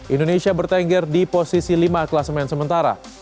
indonesia bertengger di posisi lima kelas main sementara